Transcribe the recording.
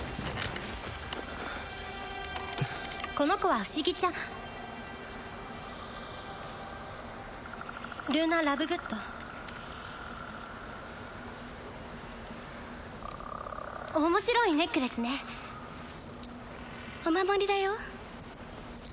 この子は不思議ちゃんルーナ・ラブグッド面白いネックレスねお守りだよ